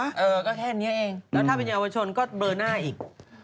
แล้วถ้าเป็นเยาวชนก็เบอร์หน้าอีก